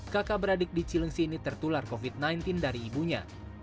kakak beradik di cilengsi ini tertular covid sembilan belas dari ibunya